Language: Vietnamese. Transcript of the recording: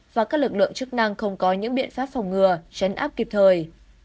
và các lực lượng chức năng không có những biện pháp phòng ngừa chấn áp kịp thời